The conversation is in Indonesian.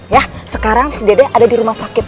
ya sekarang si dede ada di rumah sakit